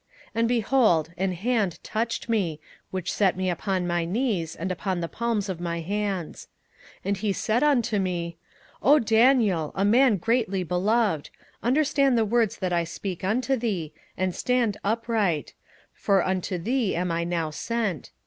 27:010:010 And, behold, an hand touched me, which set me upon my knees and upon the palms of my hands. 27:010:011 And he said unto me, O Daniel, a man greatly beloved, understand the words that I speak unto thee, and stand upright: for unto thee am I now sent.